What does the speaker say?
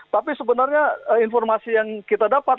tapi sebenarnya informasi yang kita dapat